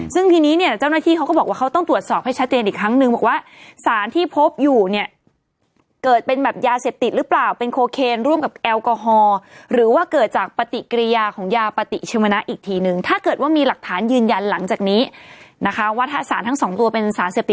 ซึ่งทีนี้เนี่ยเจ้าหน้าที่เขาก็บอกว่าเขาต้องตรวจสอบให้ชัดเจนอีกครั้งนึงบอกว่าสารที่พบอยู่เนี่ยเกิดเป็นแบบยาเสพติดหรือเปล่าเป็นโคเคนร่วมกับแอลกอฮอล์หรือว่าเกิดจากปฏิกิริยาของยาปฏิชีวนะอีกทีนึงถ้าเกิดว่ามีหลักฐานยืนยันหลังจากนี้นะคะว่าถ้าสารทั้งสองตัวเป็นสารเสพติด